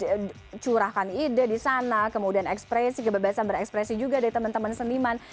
jadi curahkan ide di sana kemudian ekspresi kebebasan berekspresi juga dari teman teman seniman